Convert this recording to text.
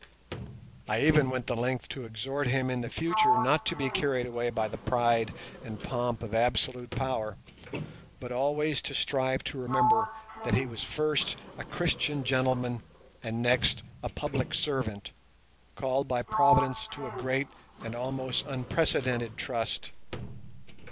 I even went the length to exhort him in the future not to be carried away by the pride and pomp of absolute power, but always to strive to remember that he was first a Christian gentleman, and next a public servant, called by Providence to a great and almost unprecedented trust.